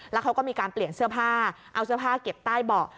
แล้วเขาก็มีการเปลี่ยนเสื้อผ้าเอาเสื้อผ้าเก็บใต้เบาะ